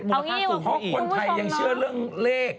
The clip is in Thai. เพราะคนไทยยังเชื่อเรื่องเลข